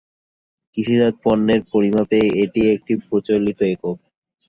কৃষিজাত পণ্যের পরিমাপে এটি একটি প্রচলিত একক।